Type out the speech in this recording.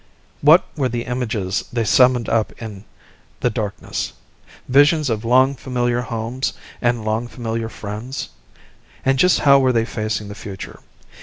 What were the images they summoned up in the darkness? Visions of long familiar homes and long familiar friends? And just how were they facing the future?